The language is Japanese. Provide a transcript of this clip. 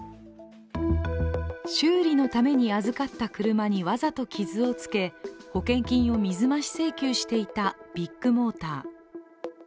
修理のために預かった車にわざと傷をつけ保険金を水増し請求していたビッグモーター。